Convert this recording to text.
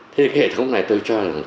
thế hệ thống này tôi cho rằng